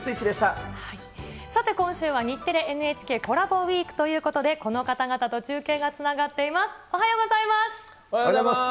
さて、今週は日テレ×ＮＨＫコラボウィークということで、この方々と中継がつながっています。